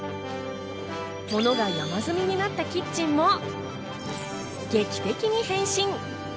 物が山積みになったキッチンも劇的に変身。